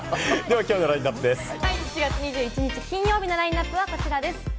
７月２１日、金曜日のラインナップはこちらです。